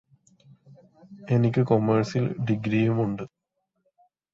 എനിക്ക് കൊമേഴ്സിൽ ഡിഗ്രിയുമുണ്ട്